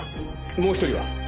もう１人は？